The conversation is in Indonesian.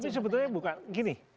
tapi sebetulnya bukan gini